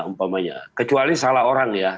umpamanya kecuali salah orang ya